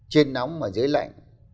trên nóng mà dưới lạnh